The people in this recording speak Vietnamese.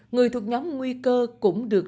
người thuộc nhóm nguy cơ cũng được tổ